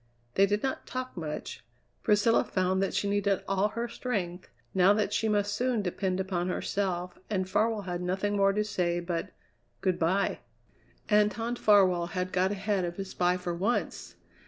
They did not talk much. Priscilla found that she needed all her strength, now that she must soon depend upon herself, and Farwell had nothing more to say but good bye! Anton Farwell had got ahead of his spy for once!